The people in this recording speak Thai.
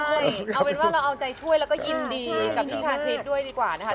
ใช่เอาเป็นว่าเราเอาใจช่วยแล้วก็ยินดีกับพี่ชาคริสด้วยดีกว่านะคะ